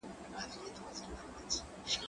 زه به سبا موبایل کار کړم،